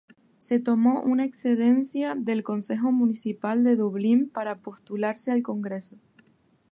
Se tomó una excedencia del concejo municipal de Dublín para postularse al Congreso.